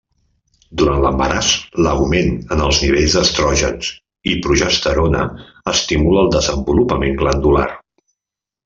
Durant l'embaràs l'augment en els nivells d'estrògens i progesterona estimula el desenvolupament glandular.